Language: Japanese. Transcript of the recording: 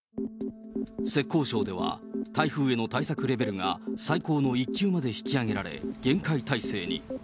浙江省では、台風への対策レベルが最高の１級まで引き上げられ、厳戒態勢に。